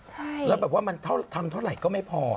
ใช่แล้วแบบว่ามันทำเท่าไหร่ก็ไม่พอ